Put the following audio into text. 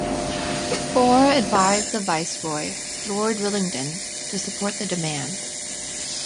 Hoare advised the Viceroy, Lord Willingdon, to support the demand.